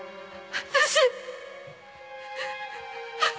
私